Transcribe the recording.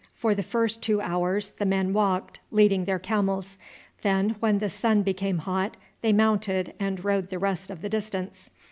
For the first two hours the men walked, leading their camels; then when the sun became hot they mounted and rode the rest of the distance.